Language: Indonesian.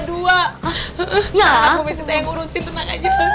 takut bu messi saya yang ngurusin tenang aja